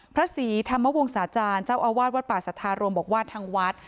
พระศรีธรรมวงศาจารย์เจ้าอาวาสวัดป่าสัทธารวมบอกว่าทางวัด